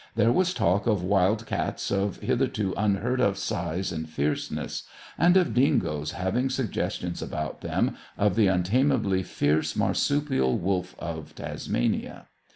There was talk of wild cats of hitherto unheard of size and fierceness, and of dingoes having suggestions about them of the untameably fierce marsupial wolf of Tasmania.